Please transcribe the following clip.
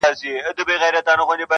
کله به ریشتیا سي، وايي بله ورځ -